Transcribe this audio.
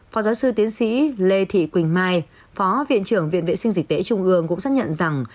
phó giáo sư tiến sĩ lê thị quỳnh mai phó viện trưởng viện vệ sinh dịch tễ trung ương cũng xác nhận rằng